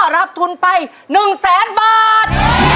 รับทุนไป๑๐๐๐๐๐บาท